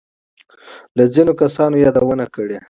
له ځینو کسانو يادونه کړې.